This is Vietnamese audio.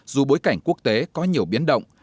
dù bối cảnh quốc tế có nhiều biến động